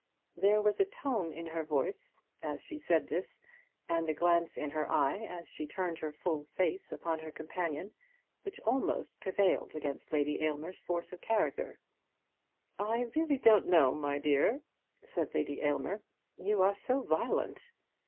There was a tone in her voice as she said this, and a glance in her eye as she turned her face full upon her companion, which almost prevailed against Lady Aylmer's force of character. "I really don't know, my dear," said Lady Aylmer. "You are so violent."